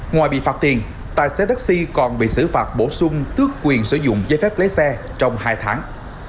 ngoài bị phạt tiền tài xế taxi còn bị xử phạt bổ sung tước quyền sử dụng giấy phép lấy xe trong hai tháng